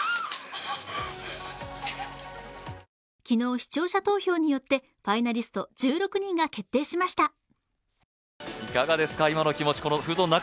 昨日、視聴者投票によってファイナリスト１６人が決定しました。